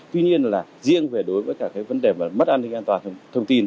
tuy nhiên là riêng về đối với cả cái vấn đề về mất an ninh an toàn thông tin